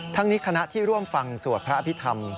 ทั้งนี้คณะที่ร่วมฟังสวดพระอภิษฐรรม